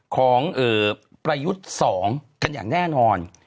ประยุทธ์๒กันอย่างแน่นอน